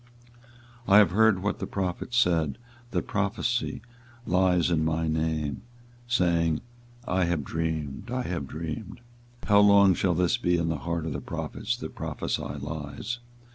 24:023:025 I have heard what the prophets said, that prophesy lies in my name, saying, I have dreamed, I have dreamed. 24:023:026 How long shall this be in the heart of the prophets that prophesy lies?